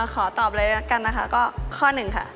ขอตอบเลยละกันนะคะก็ข้อหนึ่งค่ะ